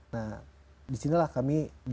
nah disinilah kami